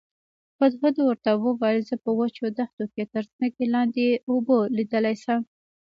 هدهد ورته وویل زه په وچو دښتو کې تر ځمکې لاندې اوبه لیدلی شم.